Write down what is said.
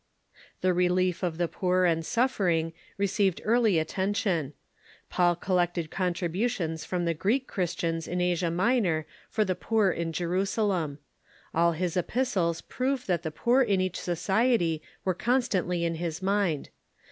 The relief of the poor and suffering received early atten tion, Paul collected contributions from the Greek Christians in Asia Minor for the poor in Jerusalem. All his ^^Need'^ epistles prove that the poor in each society Avere constantl}^ in his mind.